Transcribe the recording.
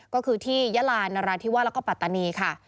ก็คือที่ยาลานราธิวาสแล้วก็ปัตตานีค่ะ